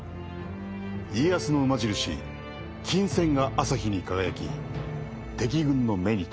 家康の馬印金扇が朝日に輝き敵軍の目に留まった。